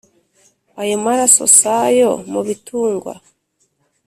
Ayo maraso s'ayo mu bitungwa,